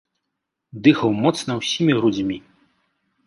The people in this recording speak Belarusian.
Дыхаў моцна ўсімі грудзьмі.